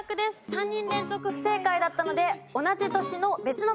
３人連続不正解だったので同じ年の別の問題に変わります。